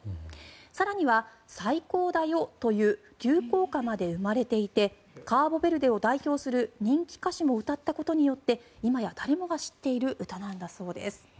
更には「サイコーダヨ」という流行歌まで生まれていてカボベルデを代表する人気歌手も歌ったことによって今や誰もが知っている歌なんだそうです。